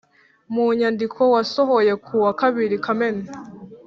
mu nyandiko wasohoye ku wa kabiri kamena